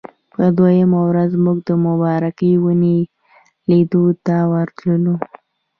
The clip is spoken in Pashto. په دویمه ورځ موږ د مبارکې ونې لیدلو ته ورتللو.